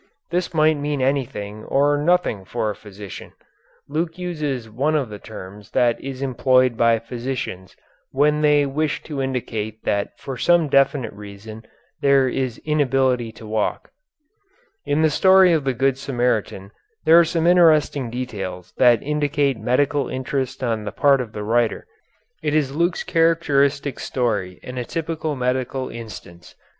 This might mean anything or nothing for a physician. Luke uses one of the terms that is employed by physicians when they wish to indicate that for some definite reason there is inability to walk. In the story of the Good Samaritan there are some interesting details that indicate medical interest on the part of the writer. It is Luke's characteristic story and a typical medical instance.